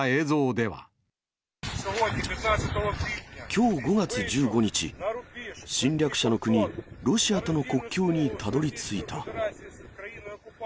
きょう５月１５日、侵略者の国、ロシアとの国境にたどりついた。